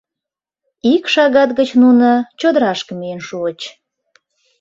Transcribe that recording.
Ик шагат гыч нуно чодырашке миен шуыч.